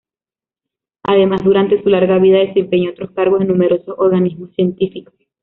Además, durante su larga vida, desempeñó otros cargos en numerosos organismos científicos.